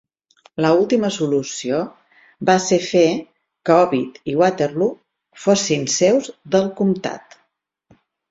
La última solució va ser fer que Ovid i Waterloo fossin seus del comptat.